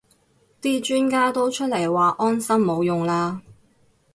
啲專家都出嚟話安心冇用啦